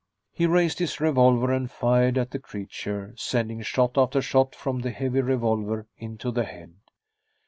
He raised his revolver and fired at the creature, sending shot after shot from the heavy revolver into the head.